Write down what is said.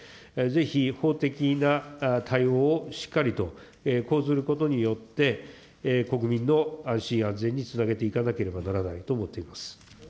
ぜひ、法的な対応をしっかりと講ずることによって、国民の安心安全につなげていかなければならないと思っています。